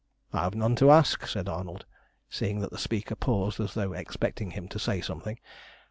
"I have none to ask," said Arnold, seeing that the speaker paused as though expecting him to say something.